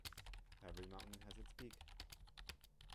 Every mountain has its peak.